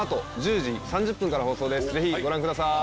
ぜひご覧ください。